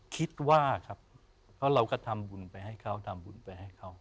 คิดว่าครับเพราะเราก็ทำบุญไปให้เขาทำบุญไปให้เขา